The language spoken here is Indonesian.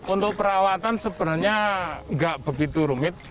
untuk perawatan sebenarnya nggak begitu rumit